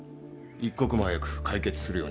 一刻も早く解決するように。